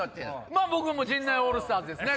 まぁ陣内オールスターズですね。